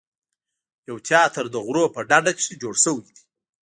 یو تیاتر د غرونو په ډډه کې جوړ شوی دی.